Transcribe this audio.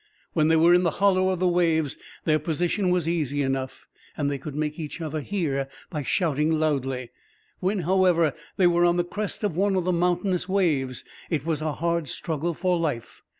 When they were in the hollow of the waves their position was easy enough, and they could make each other hear, by shouting loudly. When, however, they were on the crest of one of the mountainous waves, it was a hard struggle for life.